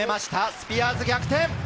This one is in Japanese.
スピアーズ、逆転！